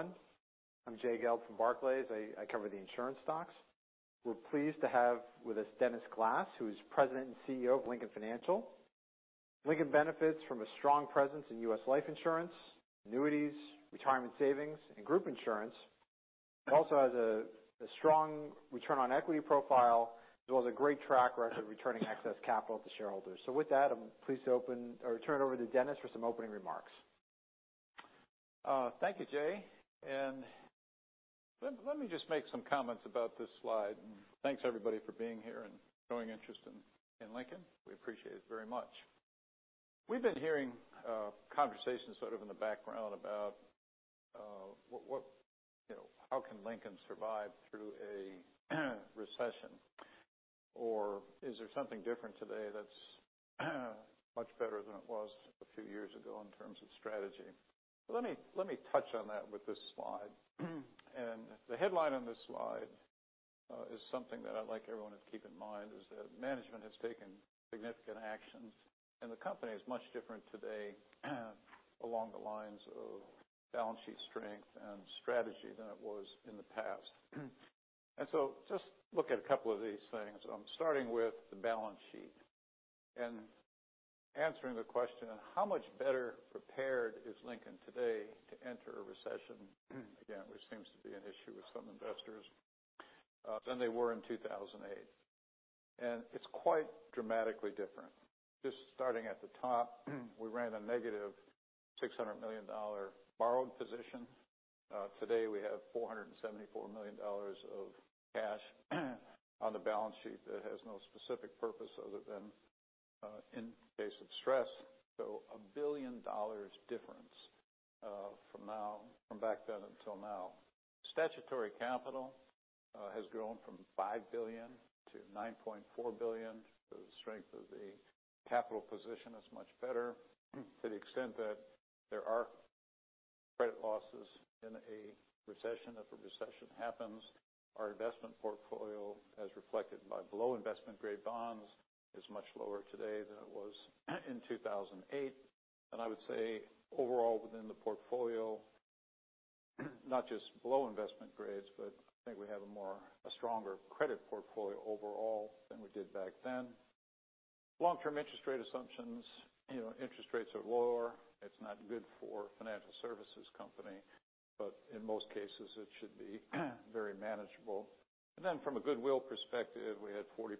Hello, everyone. I'm Jay Gelb from Barclays. I cover the insurance stocks. We're pleased to have with us Dennis Glass, who is President and CEO of Lincoln Financial Group. Lincoln benefits from a strong presence in U.S. life insurance, annuities, retirement savings, and group insurance. It also has a strong return on equity profile, as well as a great track record returning excess capital to shareholders. With that, I'm pleased to open or turn it over to Dennis for some opening remarks. Thank you, Jay. Let me just make some comments about this slide. Thanks everybody for being here and showing interest in Lincoln. We appreciate it very much. We've been hearing conversations sort of in the background about how can Lincoln survive through a recession? Is there something different today that's much better than it was a few years ago in terms of strategy? Let me touch on that with this slide. The headline on this slide is something that I'd like everyone to keep in mind, is that management has taken significant actions, and the company is much different today along the lines of balance sheet strength and strategy than it was in the past. Just look at a couple of these things. I'm starting with the balance sheet and answering the question of how much better prepared is Lincoln today to enter a recession, again, which seems to be an issue with some investors, than they were in 2008. It's quite dramatically different. Just starting at the top, we ran a negative $600 million borrowed position. Today, we have $474 million of cash on the balance sheet that has no specific purpose other than in case of stress. A billion dollars difference from back then until now. Statutory capital has grown from $5 billion to $9.4 billion. The strength of the capital position is much better to the extent that there are credit losses in a recession. If a recession happens, our investment portfolio, as reflected by below investment grade bonds, is much lower today than it was in 2008. I would say overall within the portfolio, not just below investment grades, but I think we have a stronger credit portfolio overall than we did back then. Long-term interest rate assumptions, interest rates are lower. It's not good for a financial services company, but in most cases, it should be very manageable. From a goodwill perspective, we had 38%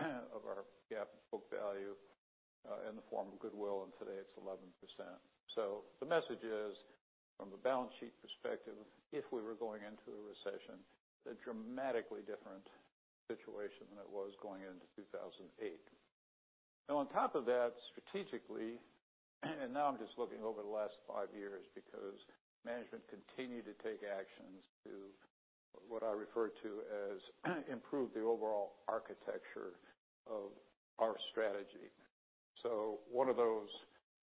of our GAAP book value in the form of goodwill, and today it's 11%. The message is, from the balance sheet perspective, if we were going into a recession, a dramatically different situation than it was going into 2008. Now on top of that, strategically, now I'm just looking over the last five years because management continued to take actions to what I refer to as improve the overall architecture of our strategy. One of those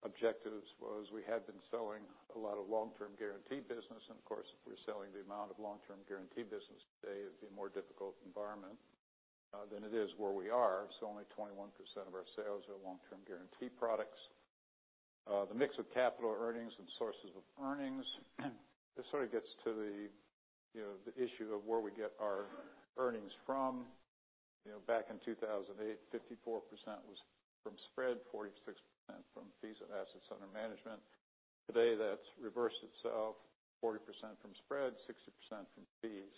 objectives was we had been selling a lot of long-term guaranteed business, and of course, if we're selling the amount of long-term guaranteed business today, it'd be a more difficult environment than it is where we are. Only 21% of our sales are long-term guaranteed products. The mix of capital earnings and sources of earnings. This sort of gets to the issue of where we get our earnings from. Back in 2008, 54% was from spread, 46% from fees and assets under management. Today, that's reversed itself, 40% from spread, 60% from fees.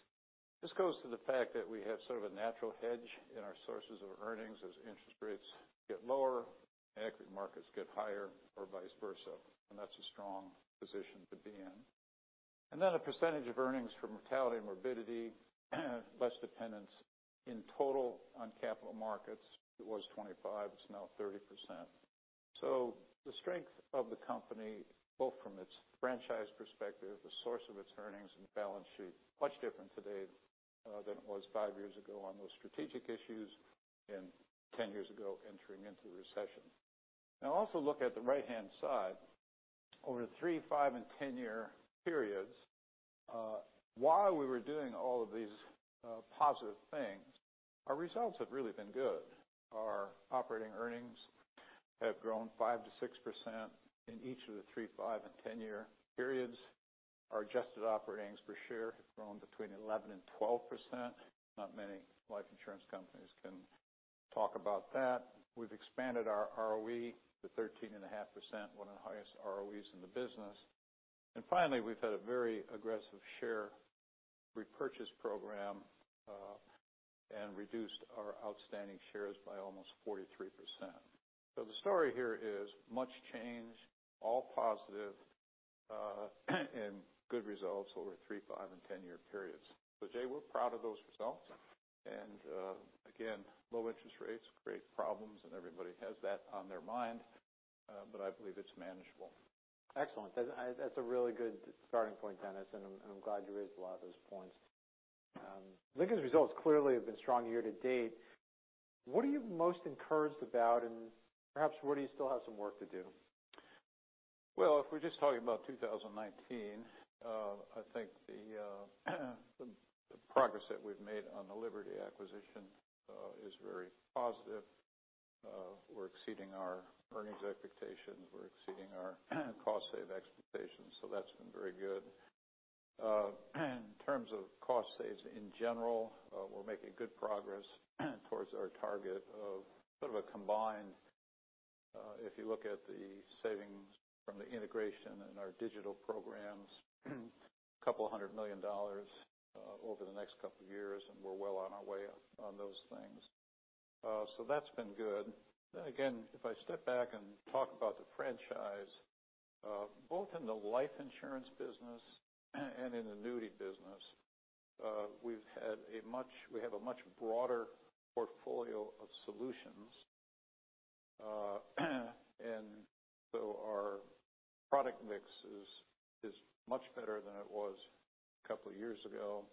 This goes to the fact that we have sort of a natural hedge in our sources of earnings. As interest rates get lower, equity markets get higher or vice versa. That's a strong position to be in. A percentage of earnings from mortality and morbidity, less dependence in total on capital markets. It was 25%, it's now 30%. The strength of the company, both from its franchise perspective, the source of its earnings, and balance sheet, much different today than it was five years ago on those strategic issues, and 10 years ago entering into the recession. Also look at the right-hand side. Over the three, five, and 10-year periods, while we were doing all of these positive things, our results have really been good. Our operating earnings have grown 5%-6% in each of the three, five, and 10-year periods. Our adjusted earnings per share have grown between 11% and 12%. Not many life insurance companies can talk about that. We've expanded our ROE to 13.5%, one of the highest ROEs in the business. Finally, we've had a very aggressive share repurchase program and reduced our outstanding shares by almost 43%. The story here is much change, all positive, and good results over three, five, and 10-year periods. Jay, we're proud of those results. Again, low interest rates create problems, and everybody has that on their mind. I believe it's manageable. Excellent. That's a really good starting point, Dennis, and I'm glad you raised a lot of those points. Lincoln's results clearly have been strong year to date. What are you most encouraged about and perhaps where do you still have some work to do? If we're just talking about 2019, I think the progress that we've made on the Liberty acquisition is very positive. We're exceeding our earnings expectations. We're exceeding our cost save expectations, that's been very good. In terms of cost saves in general, we're making good progress towards our target of sort of a combined, if you look at the savings from the integration and our digital programs, a couple of hundred million dollars over the next couple of years, and we're well on our way on those things. That's been good. Again, if I step back and talk about the franchise, both in the life insurance business and in the annuity business, we have a much broader portfolio of solutions. Our product mix is much better than it was a couple of years ago.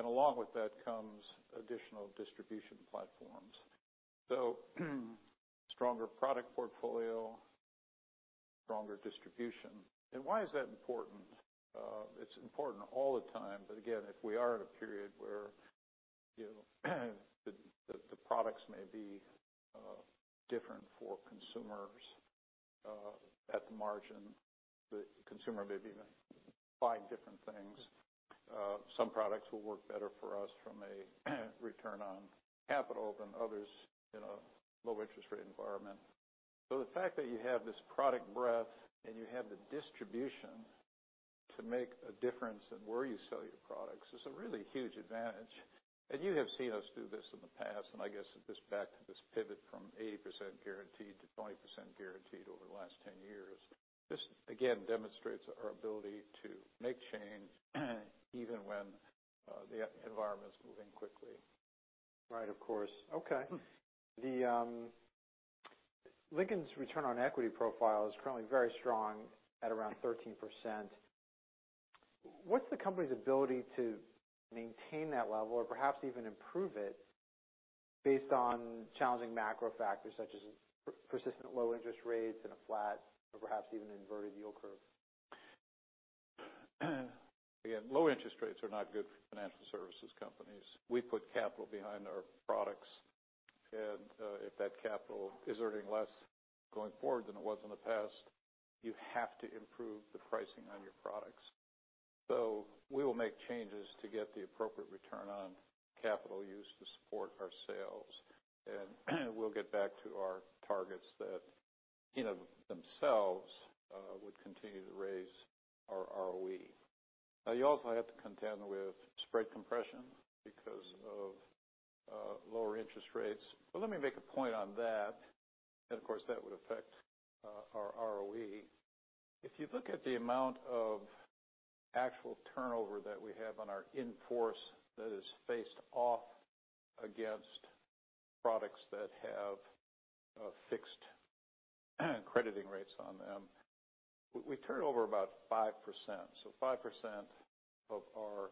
Along with that comes additional distribution platforms. Stronger product portfolio, stronger distribution. Why is that important? It's important all the time, but again, if we are in a period where the products may be different for consumers at the margin, the consumer may be buying different things. Some products will work better for us from a return on capital than others in a low interest rate environment. The fact that you have this product breadth and you have the distribution to make a difference in where you sell your products is a really huge advantage. You have seen us do this in the past, and I guess this pivot from 80% guaranteed to 20% guaranteed over the last 10 years. This, again, demonstrates our ability to make change even when the environment's moving quickly. Right, of course. Okay. Lincoln's return on equity profile is currently very strong at around 13%. What's the company's ability to maintain that level or perhaps even improve it based on challenging macro factors such as persistent low interest rates and a flat or perhaps even inverted yield curve? Low interest rates are not good for financial services companies. We put capital behind our products, if that capital is earning less going forward than it was in the past, you have to improve the pricing on your products. We will make changes to get the appropriate return on capital used to support our sales. We'll get back to our targets that themselves would continue to raise our ROE. You also have to contend with spread compression because of lower interest rates. Let me make a point on that, of course, that would affect our ROE. If you look at the amount of actual turnover that we have on our in-force that is faced off against products that have fixed crediting rates on them, we turn over about 5%. 5% of our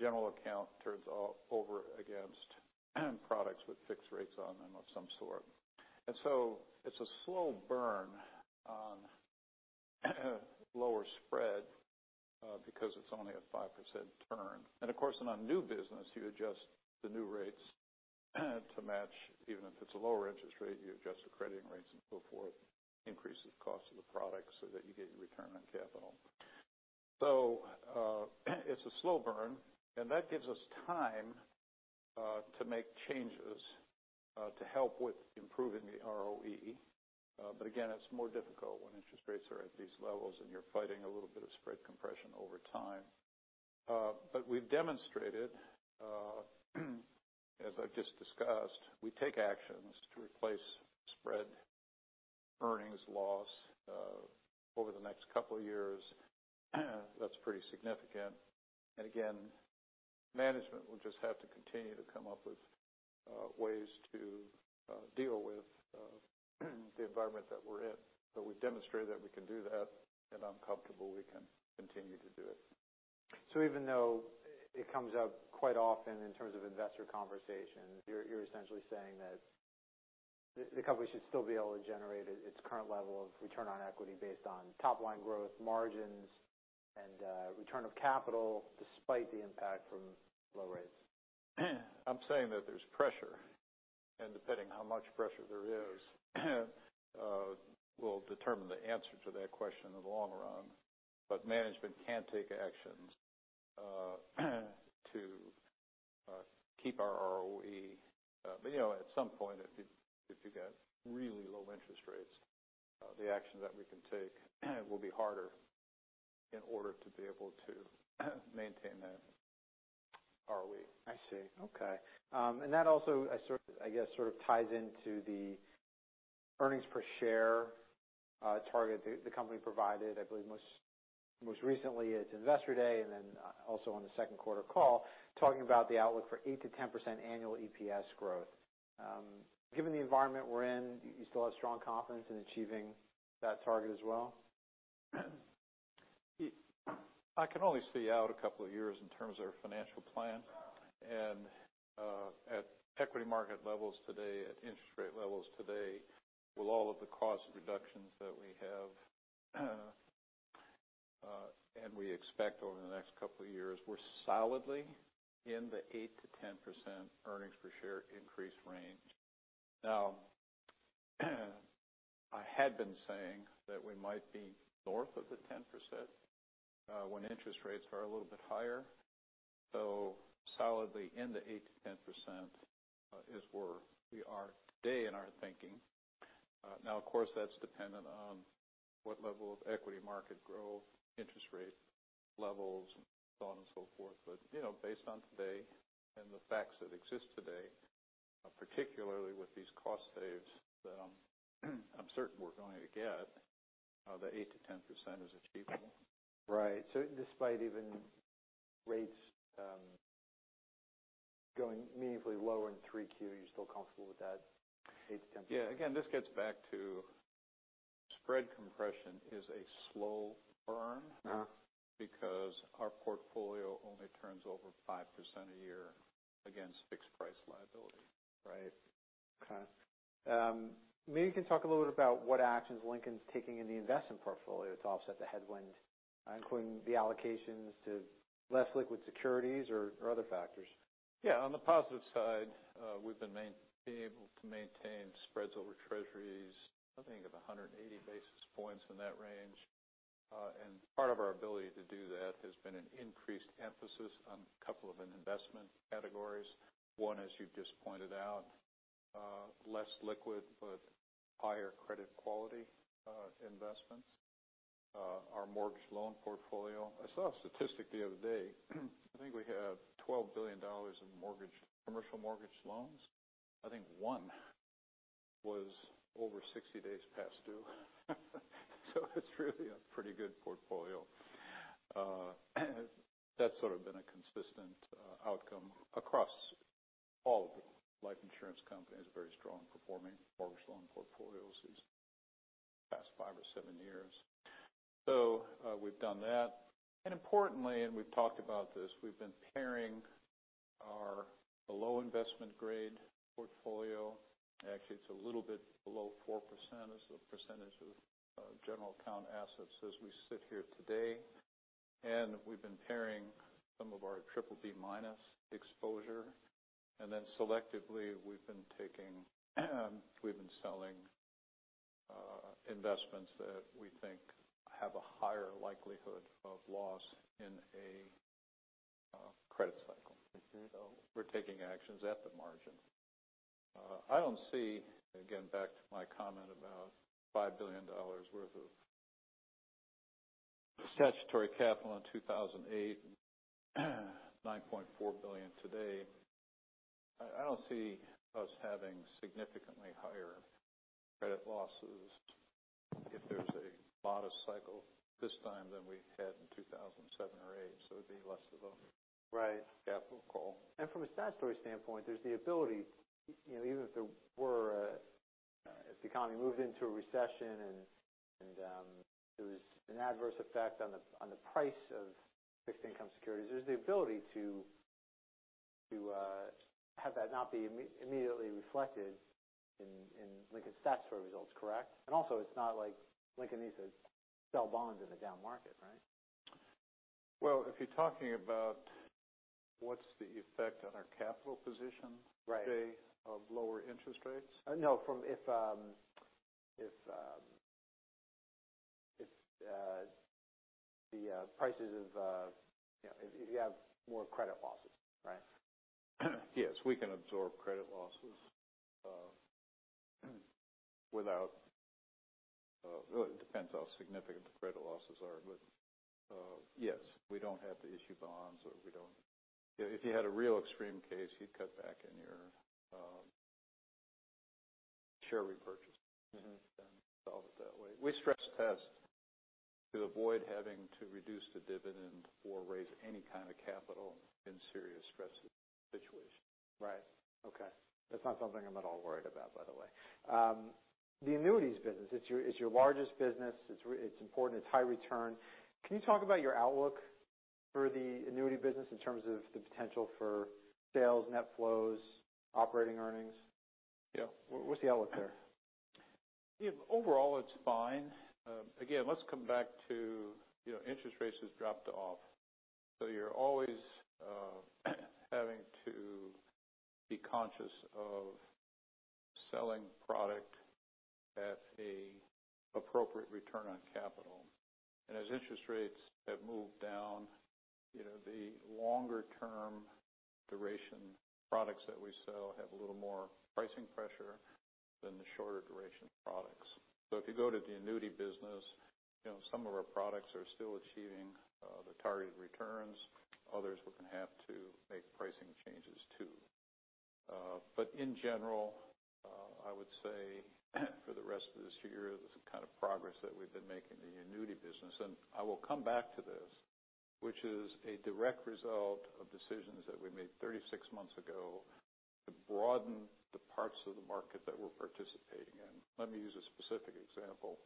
general account turns over against products with fixed rates on them of some sort. It's a slow burn on lower spread because it's only a 5% turn. Of course, in our new business, you adjust the new rates to match, even if it's a lower interest rate, you adjust the crediting rates and so forth, increase the cost of the product so that you get your return on capital. It's a slow burn, and that gives us time to make changes to help with improving the ROE. Again, it's more difficult when interest rates are at these levels and you're fighting a little bit of spread compression over time. We've demonstrated, as I've just discussed, we take actions to replace spread earnings loss over the next couple of years. That's pretty significant. Again, management will just have to continue to come up with ways to deal with the environment that we're in. We've demonstrated that we can do that, and I'm comfortable we can continue to do it. Even though it comes up quite often in terms of investor conversation, you're essentially saying that the company should still be able to generate its current level of return on equity based on top line growth margins and return of capital despite the impact from low rates. I'm saying that there's pressure, depending how much pressure there is, will determine the answer to that question in the long run. Management can take actions to keep our ROE. At some point, if you get really low interest rates, the action that we can take will be harder in order to be able to maintain that ROE. I see. Okay. That also, I guess, sort of ties into the earnings per share target the company provided, I believe, most recently at its investor day, then also on the second quarter call, talking about the outlook for 8%-10% annual EPS growth. Given the environment we're in, you still have strong confidence in achieving that target as well? I can only see out a couple of years in terms of our financial plan. At equity market levels today, at interest rate levels today, with all of the cost reductions that we have And we expect over the next couple of years, we're solidly in the 8%-10% earnings per share increase range. I had been saying that we might be north of 10% when interest rates are a little bit higher. Solidly in the 8%-10% is where we are today in our thinking. Of course, that's dependent on what level of equity market growth, interest rate levels, and so on and so forth. Based on today and the facts that exist today, particularly with these cost saves that I'm certain we're going to get, the 8%-10% is achievable. Right. Despite even rates going meaningfully lower in Q3, you're still comfortable with that 8%-10%. Yeah. Again, this gets back to spread compression is a slow burn. Because our portfolio only turns over 5% a year against fixed price liability. Right. Okay. Maybe you can talk a little bit about what actions Lincoln's taking in the investment portfolio to offset the headwind, including the allocations to less liquid securities or other factors. Yeah. On the positive side, we've been able to maintain spreads over treasuries, I think of 180 basis points in that range. Part of our ability to do that has been an increased emphasis on a couple of investment categories. One, as you've just pointed out, less liquid but higher credit quality investments. Our mortgage loan portfolio. I saw a statistic the other day. I think we have $12 billion in commercial mortgage loans. I think one was over 60 days past due. It's really a pretty good portfolio. That's sort of been a consistent outcome across all of the life insurance companies, very strong performing mortgage loan portfolios these past five or seven years. We've done that. Importantly, and we've talked about this, we've been pairing our below investment grade portfolio. Actually, it's a little bit below 4% as the percentage of general account assets as we sit here today. We've been pairing some of our BBB- exposure, and then selectively, we've been selling investments that we think have a higher likelihood of loss in a credit cycle. We're taking actions at the margin. I don't see, again, back to my comment about $5 billion worth of statutory capital in 2008 and $9.4 billion today. I don't see us having significantly higher credit losses if there's a modest cycle this time than we had in 2007 or 2008. It'd be less of a- Right capital call. From a statutory standpoint, there's the ability, even if the economy moved into a recession and there was an adverse effect on the price of fixed income securities, there's the ability to have that not be immediately reflected in Lincoln's statutory results, correct? Also, it's not like Lincoln needs to sell bonds in a down market, right? Well, if you're talking about what's the effect on our capital position- Right today of lower interest rates? No, if you have more credit losses, right? Yes, we can absorb credit losses without Well, it depends how significant the credit losses are. Yes, we don't have to issue bonds or if you had a real extreme case, you'd cut back on your share repurchase. Solve it that way. We stress test to avoid having to reduce the dividend or raise any kind of capital in serious stress situations. Right. Okay. That's not something I'm at all worried about, by the way. The annuities business, it's your largest business. It's important. It's high return. Can you talk about your outlook for the annuity business in terms of the potential for sales, net flows, operating earnings? Yeah. What's the outlook there? Overall, it's fine. Again, let's come back to interest rates has dropped off. You're always having to be conscious of selling product at an appropriate return on capital. As interest rates have moved down, the longer term duration products that we sell have a little more pricing pressure than the shorter duration products. If you go to the annuity business, some of our products are still achieving the targeted returns. Others, we're going to have to make pricing changes too. In general, I would say for the rest of this year, the kind of progress that we've been making in the annuity business, and I will come back to this, which is a direct result of decisions that we made 36 months ago to broaden the parts of the market that we're participating in. Let me use a specific example.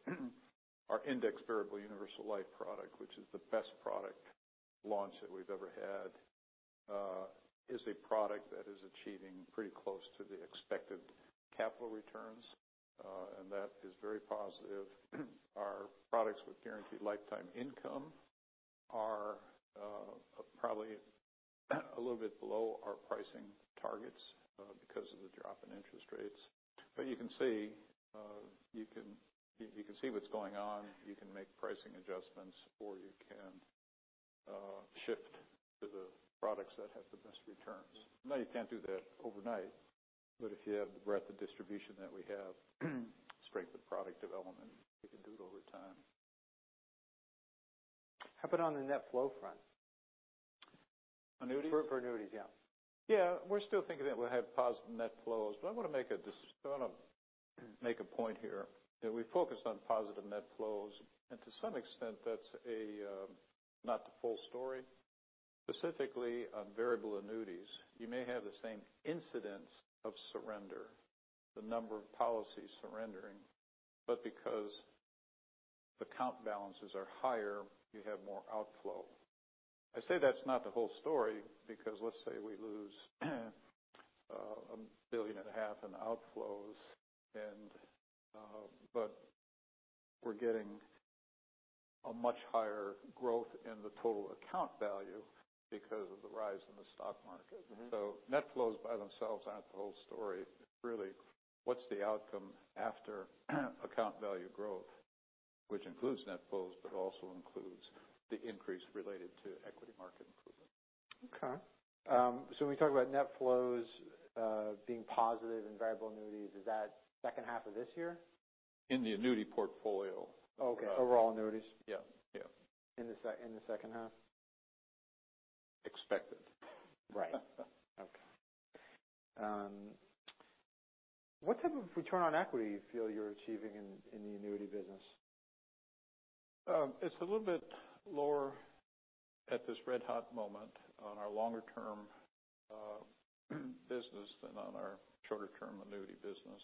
Our Indexed-Variable Universal Life product, which is the best product launch that we've ever had. Is a product that is achieving pretty close to the expected capital returns, and that is very positive. Our products with guaranteed lifetime income are probably a little bit below our pricing targets because of the drop in interest rates. You can see what's going on. You can make pricing adjustments, or you can shift to the products that have the best returns. Now, you can't do that overnight, but if you have the breadth of distribution that we have, strength of product development, you can do it over time. How about on the net flow front? Annuities? For annuities, yeah. Yeah. I want to make a point here. We focused on positive net flows. To some extent, that's not the full story. Specifically, on variable annuities, you may have the same incidence of surrender, the number of policies surrendering, but because account balances are higher, you have more outflow. I say that's not the whole story because let's say we lose a billion and a half in outflows, but we're getting a much higher growth in the total account value because of the rise in the stock market. Net flows by themselves aren't the whole story. Really, what's the outcome after account value growth, which includes net flows but also includes the increase related to equity market improvement. Okay. When we talk about net flows being positive in variable annuities, is that the second half of this year? In the annuity portfolio. Okay. Overall annuities? Yeah. In the second half? Expected. Right. Okay. What type of return on equity do you feel you're achieving in the annuity business? It's a little bit lower at this red-hot moment on our longer-term business than on our shorter-term annuity business.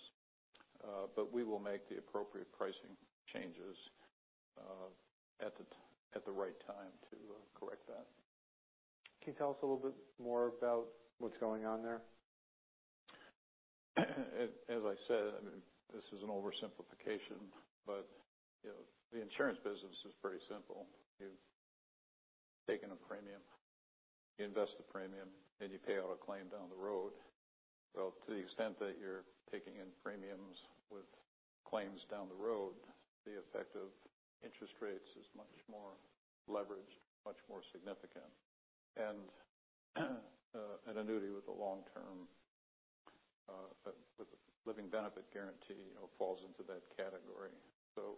We will make the appropriate pricing changes at the right time to correct that. Can you tell us a little bit more about what's going on there? As I said, this is an oversimplification, but the insurance business is pretty simple. You've taken a premium, you invest the premium, then you pay out a claim down the road. Well, to the extent that you're taking in premiums with claims down the road, the effect of interest rates is much more leveraged, much more significant. An annuity with a long term with a living benefit guarantee falls into that category.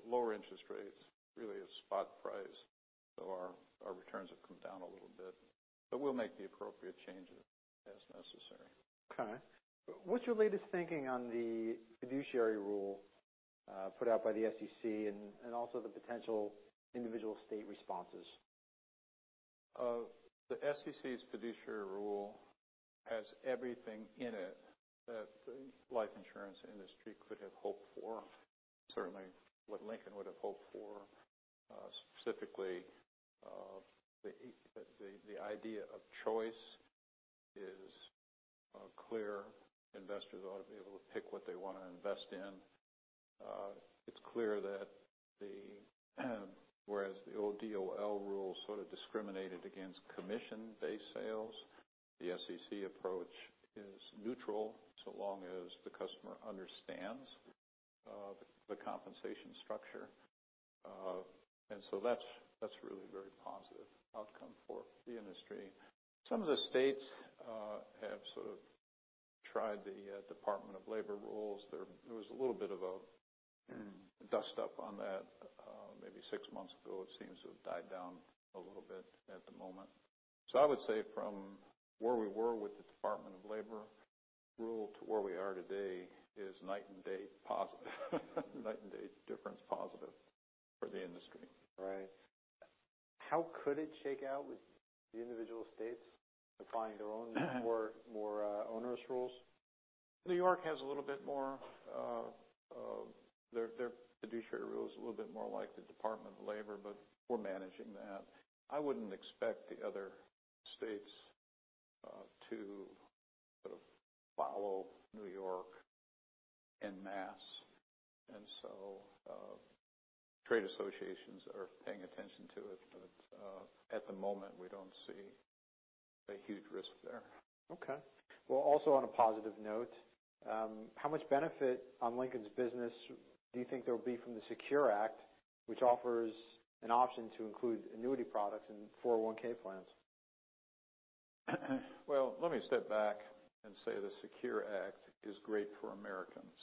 Lower interest rates really is spot price. Our returns have come down a little bit, but we'll make the appropriate changes as necessary. Okay. What's your latest thinking on the fiduciary rule put out by the SEC and also the potential individual state responses? The SEC's fiduciary rule has everything in it that the life insurance industry could have hoped for. Certainly what Lincoln would have hoped for. Specifically, the idea of choice is clear. Investors ought to be able to pick what they want to invest in. It's clear that whereas the old DOL rule sort of discriminated against commission-based sales, the SEC approach is neutral so long as the customer understands the compensation structure. That's a really very positive outcome for the industry. Some of the states have sort of tried the Department of Labor rules. There was a little bit of a dust-up on that maybe six months ago. It seems to have died down a little bit at the moment. I would say from where we were with the Department of Labor rule to where we are today is night and day difference positive for the industry. Right. How could it shake out with the individual states applying their own more onerous rules? New York, their fiduciary rule is a little bit more like the Department of Labor. We're managing that. I wouldn't expect the other states to follow New York en masse. Trade associations are paying attention to it, at the moment, we don't see a huge risk there. Okay. Well, also on a positive note, how much benefit on Lincoln's business do you think there will be from the SECURE Act, which offers an option to include annuity products in 401 plans? Well, let me step back and say the SECURE Act is great for Americans,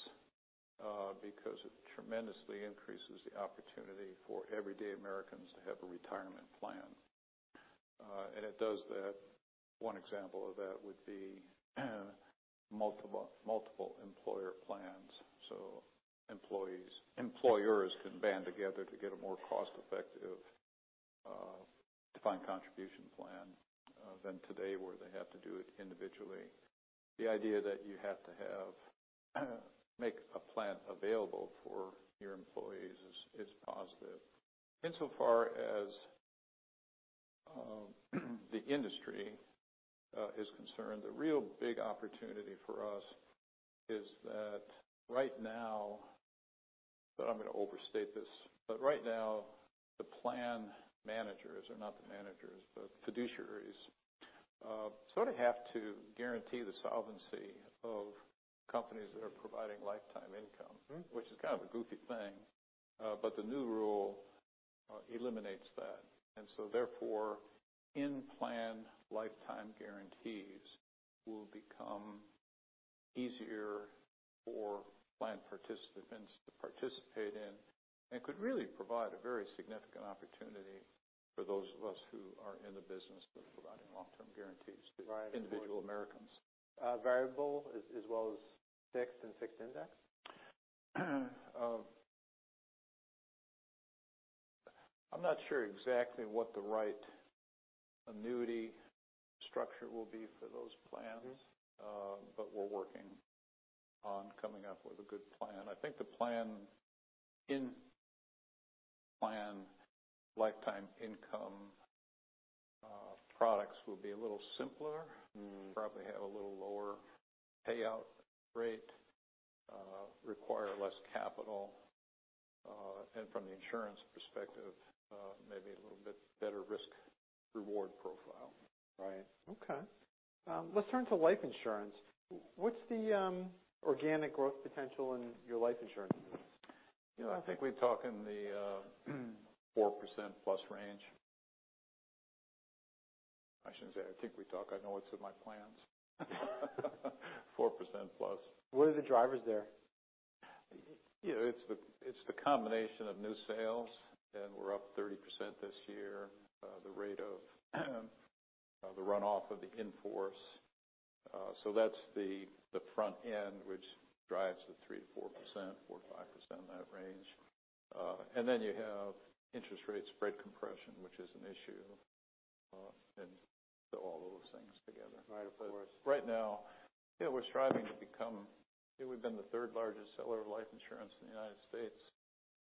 because it tremendously increases the opportunity for everyday Americans to have a retirement plan. It does that. One example of that would be multiple employer plans. Employers can band together to get a more cost-effective defined contribution plan than today where they have to do it individually. The idea that you have to make a plan available for your employees is positive. Insofar as the industry is concerned, the real big opportunity for us is that right now, I'm going to overstate this, but right now the plan managers or not the managers, the fiduciaries, sort of have to guarantee the solvency of companies that are providing lifetime income. Which is kind of a goofy thing. The new rule eliminates that. Therefore, in-plan lifetime guarantees will become easier for plan participants to participate in and could really provide a very significant opportunity for those of us who are in the business of providing long-term guarantees. Right to individual Americans. Variable as well as fixed and fixed index? I'm not sure exactly what the right annuity structure will be for those plans. We're working on coming up with a good plan. I think the plan, in-plan lifetime income products will be a little simpler. Probably have a little lower payout rate, require less capital, and from the insurance perspective maybe a little bit better risk-reward profile. Right. Okay. Let's turn to life insurance. What's the organic growth potential in your life insurance business? I think we talk in the 4% plus range. I shouldn't say I think we talk, I know it's in my plans. 4% plus. What are the drivers there? It's the combination of new sales, we're up 30% this year. The rate of the runoff of the in-force. That's the front end, which drives the 3%-4%, 4% or 5%, in that range. You have interest rate spread compression, which is an issue. All those things together. Right. Of course. Right now, We've been the third largest seller of life insurance in the United States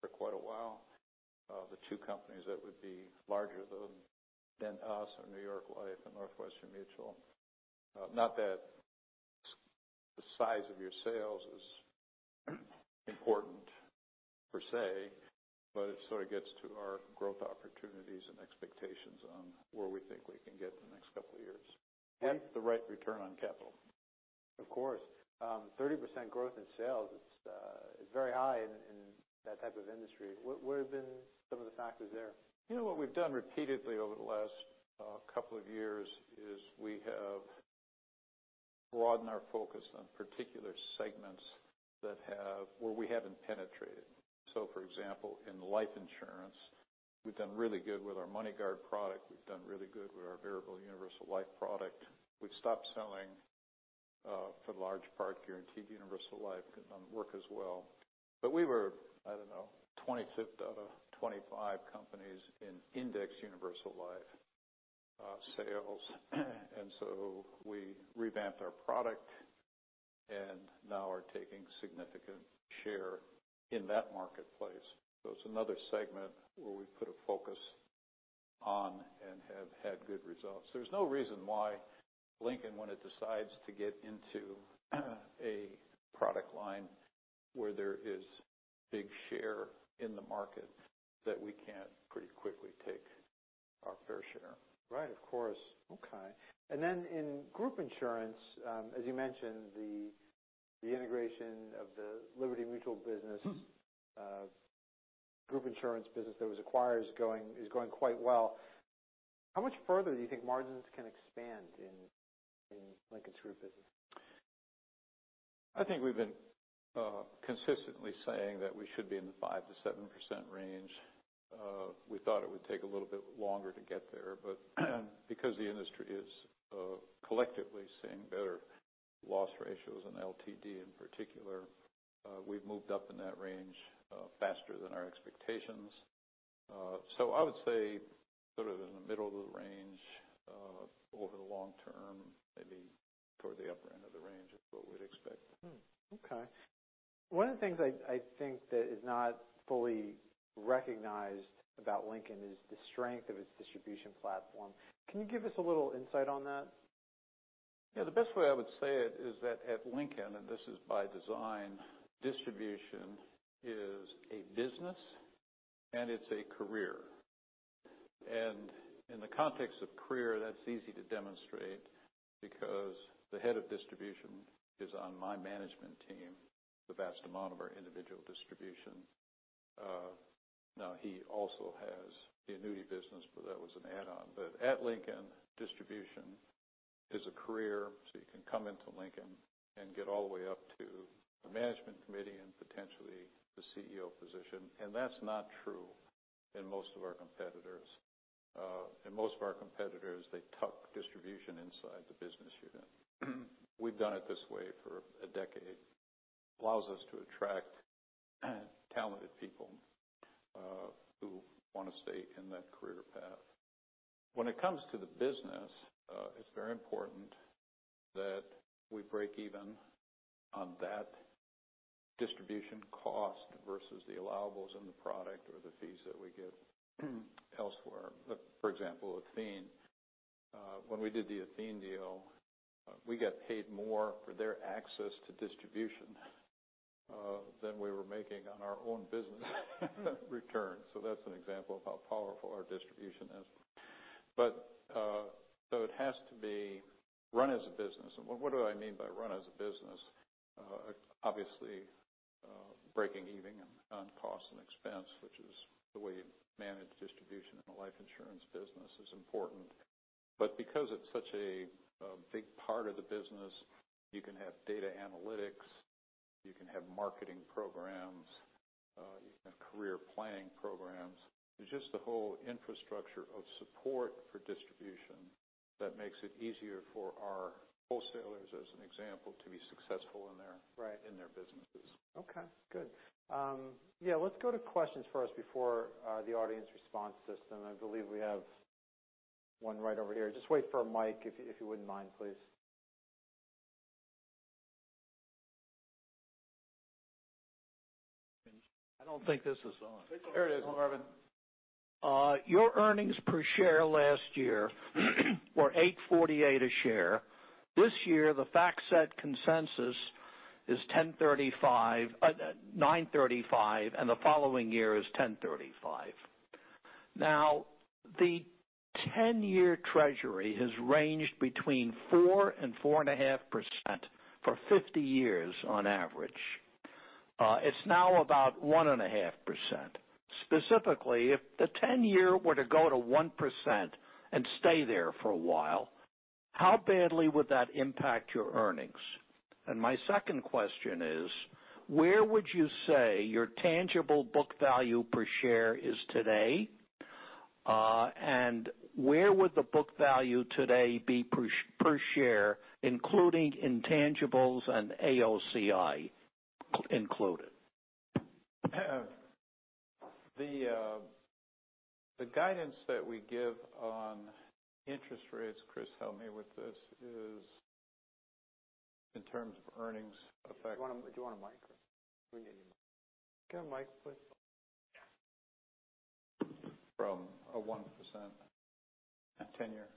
for quite a while. The two companies that would be larger than us are New York Life and Northwestern Mutual. Not that the size of your sales is important per se, but it sort of gets to our growth opportunities and expectations on where we think we can get in the next couple of years. Yeah. With the right return on capital. Of course. 30% growth in sales is very high in that type of industry. What have been some of the factors there? What we've done repeatedly over the last couple of years is we have broadened our focus on particular segments where we haven't penetrated. For example, in life insurance, we've done really good with our MoneyGuard product. We've done really good with our variable universal life product. We've stopped selling for the large part guaranteed universal life because it doesn't work as well. We were, I don't know, 25th out of 25 companies in index universal life sales. We revamped our product and now are taking significant share in that marketplace. It's another segment where we put a focus on and have had good results. There's no reason why Lincoln, when it decides to get into a product line where there is big share in the market, that we can't pretty quickly take our fair share. Right. Of course. Okay. In group insurance, as you mentioned, the integration of the Liberty Mutual group insurance business that was acquired is going quite well. How much further do you think margins can expand in Lincoln's group business? I think we've been consistently saying that we should be in the 5%-7% range. We thought it would take a little bit longer to get there, but because the industry is collectively seeing better loss ratios in LTD in particular, we've moved up in that range faster than our expectations. I would say sort of in the middle of the range over the long term, maybe toward the upper end of the range is what we'd expect. Okay. One of the things I think that is not fully recognized about Lincoln is the strength of its distribution platform. Can you give us a little insight on that? Yeah, the best way I would say it is that at Lincoln, this is by design, distribution is a business and it's a career. In the context of career, that's easy to demonstrate because the head of distribution is on my management team, the vast amount of our individual distribution. Now he also has the annuity business, but that was an add-on. At Lincoln, distribution is a career. You can come into Lincoln and get all the way up to the management committee and potentially the CEO position. That's not true in most of our competitors. In most of our competitors, they tuck distribution inside the business unit. We've done it this way for a decade. Allows us to attract talented people who want to stay in that career path. When it comes to the business, it's very important that we break even on that distribution cost versus the allowables in the product or the fees that we get elsewhere. For example, Athene. When we did the Athene deal, we got paid more for their access to distribution than we were making on our own business return. That's an example of how powerful our distribution is. It has to be run as a business. What do I mean by run as a business? Obviously, breaking even on cost and expense, which is the way you manage distribution in the life insurance business, is important. Because it's such a big part of the business, you can have data analytics, you can have marketing programs, you can have career planning programs. It's just the whole infrastructure of support for distribution that makes it easier for our wholesalers, as an example, to be successful. Right in their businesses. Okay, good. Yeah, let's go to questions first before the audience response system. I believe we have one right over here. Just wait for a mic, if you wouldn't mind, please. I don't think this is on. There it is. Marvin. Your earnings per share last year were $8.48 a share. This year, the FactSet consensus is $9.35, and the following year is $10.35. The 10-year Treasury has ranged between 4% and 4.5% for 50 years on average. It's now about 1.5%. Specifically, if the 10-year were to go to 1% and stay there for a while, how badly would that impact your earnings? My second question is, where would you say your tangible book value per share is today? Where would the book value today be per share, including intangibles and AOCI included? The guidance that we give on interest rates, Chris, help me with this, is in terms of earnings effect. Do you want a mic? We need a mic. Get a mic, please. From a 1% 10-year.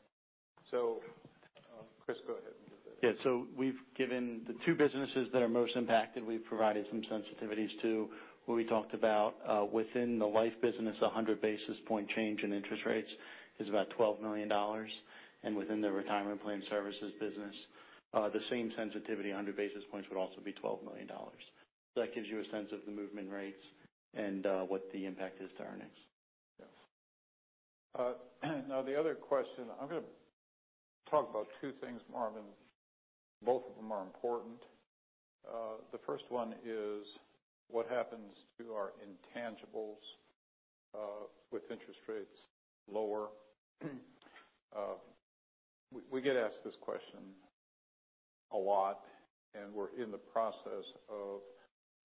Chris, go ahead with this. We've given the two businesses that are most impacted, we've provided some sensitivities to where we talked about, within the life business, a 100-basis point change in interest rates is about $12 million. Within the retirement plan services business, the same sensitivity, 100 basis points, would also be $12 million. That gives you a sense of the movement rates and what the impact is to earnings. Yes. The other question, I'm going to talk about two things, Marvin. Both of them are important. The first one is what happens to our intangibles with interest rates lower. We get asked this question a lot, and we're in the process of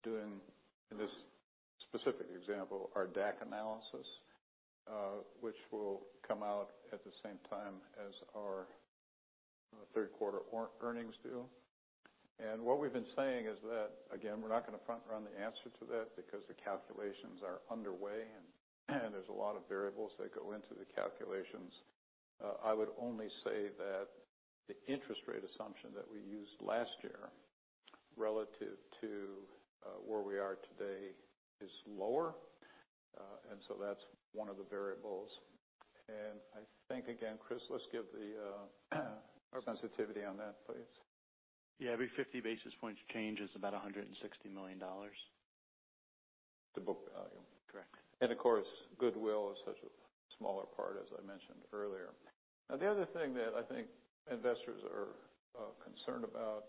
doing, in this specific example, our DAC analysis, which will come out at the same time as our third quarter earnings do. What we've been saying is that, again, we're not going to front run the answer to that because the calculations are underway and there's a lot of variables that go into the calculations. I would only say that the interest rate assumption that we used last year, relative to where we are today, is lower. So that's one of the variables. I think, again, Chris, let's give the sensitivity on that, please. Every 50 basis points change is about $160 million. The book value. Correct. Of course, goodwill is such a smaller part, as I mentioned earlier. The other thing that I think investors are concerned about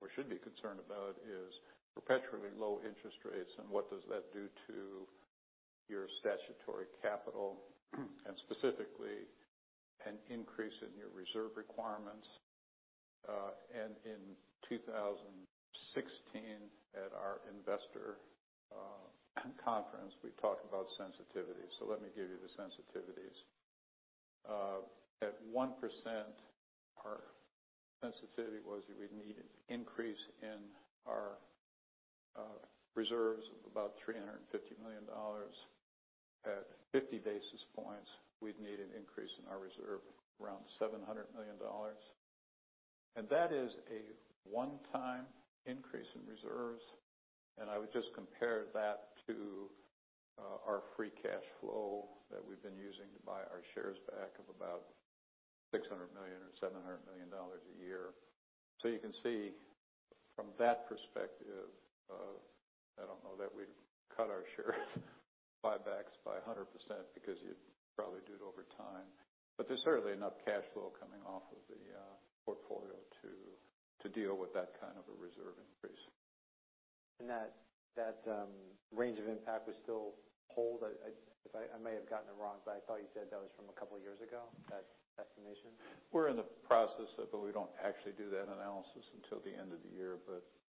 or should be concerned about is perpetually low interest rates and what does that do to your statutory capital and specifically an increase in your reserve requirements. In 2016, at our investor conference, we talked about sensitivity. Let me give you the sensitivities. At 1%, our sensitivity was we'd need an increase in our reserves of about $350 million. At 50 basis points, we'd need an increase in our reserve around $700 million. That is a one-time increase in reserves. I would just compare that to our free cash flow that we've been using to buy our shares back of about $600 million or $700 million a year. You can see from that perspective of, I don't know, that we'd cut our share buybacks by 100% because you'd probably do it over time. There's certainly enough cash flow coming off of the portfolio to deal with that kind of a reserve increase. That range of impact would still hold, I'd say. I may have gotten it wrong, but I thought you said that was from a couple of years ago, that estimation. We're in the process of it, but we don't actually do that analysis until the end of the year.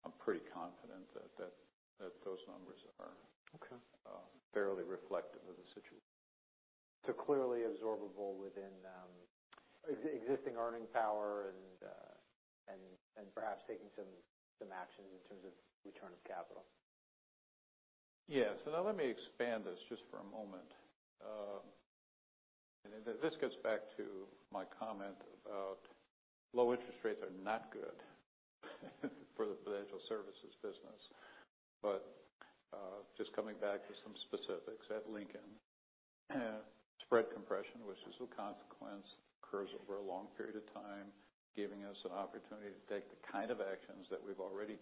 I'm pretty confident that those numbers are Okay fairly reflective of the situation. Clearly absorbable within existing earning power and perhaps taking some actions in terms of return of capital. Yes. Let me expand this just for a moment. This gets back to my comment about low interest rates are not good for the financial services business. Just coming back to some specifics. At Lincoln, spread compression, which is a consequence, occurs over a long period of time, giving us an opportunity to take the kind of actions that we've already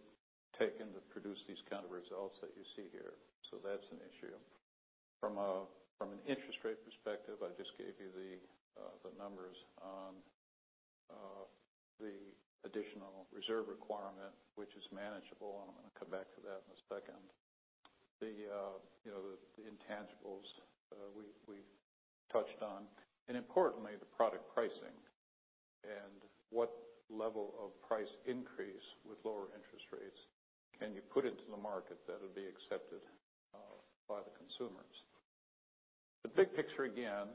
taken to produce these kind of results that you see here. That's an issue. From an interest rate perspective, I just gave you the numbers on the additional reserve requirement, which is manageable, and I'm going to come back to that in a second. The intangibles we've touched on, importantly, the product pricing. What level of price increase with lower interest rates can you put into the market that'll be accepted by the consumers. The big picture, again,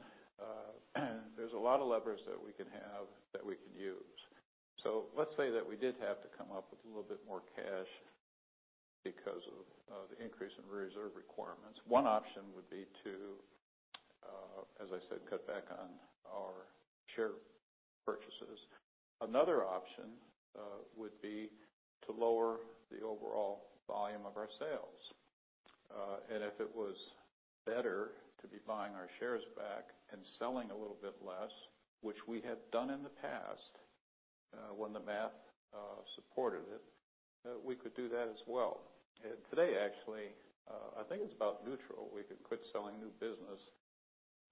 there's a lot of levers that we can have, that we can use. Let's say that we did have to come up with a little bit more cash because of the increase in reserve requirements. One option would be to, as I said, cut back on our share purchases. Another option would be to lower the overall volume of our sales. If it was better to be buying our shares back and selling a little bit less, which we have done in the past when the math supported it, we could do that as well. Today, actually, I think it's about neutral. We could quit selling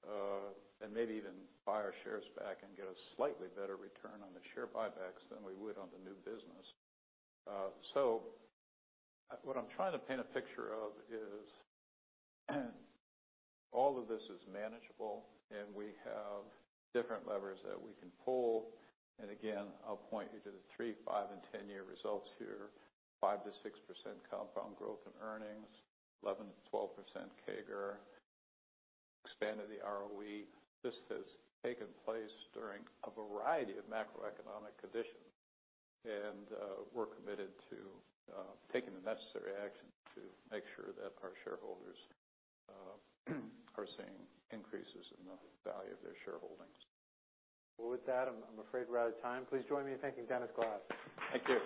new business, and maybe even buy our shares back and get a slightly better return on the share buybacks than we would on the new business. What I'm trying to paint a picture of is all of this is manageable, and we have different levers that we can pull. Again, I'll point you to the three, five, and 10-year results here. 5% to 6% compound growth in earnings, 11% to 12% CAGR. Expand of the ROE. This has taken place during a variety of macroeconomic conditions, and we're committed to taking the necessary action to make sure that our shareholders are seeing increases in the value of their shareholdings. Well, with that, I'm afraid we're out of time. Please join me in thanking Dennis Glass. Thank you.